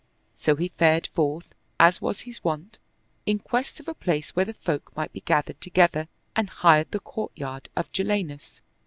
So he fared forth, as was his wont, in quest of a place where the folk might be gathered together, and hired the courtyard of Jalinus.